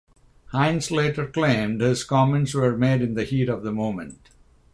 Heinze later claimed his comments were made in the heat of the moment.